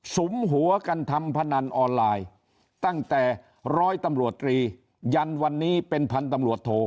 สุมหัวกันทำพนันออนไลน์ตั้งแต่ร้อยตำรวจตรียันวันนี้เป็นพันธุ์ตำรวจโท